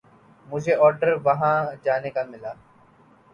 مجھے آرڈر وہاں جانے کا ملا۔